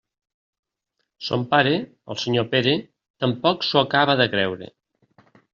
Son pare, el senyor Pere, tampoc s'ho acaba de creure.